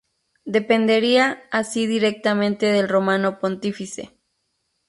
Dependería así directamente del Romano Pontífice.